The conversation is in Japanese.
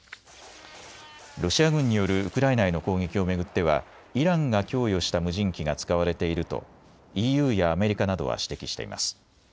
ロシア軍によるウクライナへの攻撃を巡ってはイランが供与した無人機が使われているとＥＵやアメリカなどは指摘しています。